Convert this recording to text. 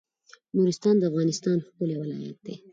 نورستان د افغانستان ښکلی ولایت دی